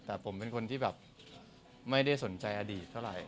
แต่ผมเป็นคนที่แบบไม่ได้สนใจอดีตเท่าไหร่